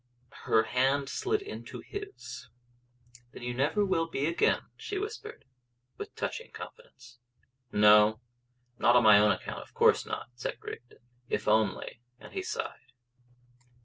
Her hand slid into his. "Then you never will be again," she whispered, with a touching confidence. "No, not on my own account; of course not," said Rigden. "If only " And he sighed.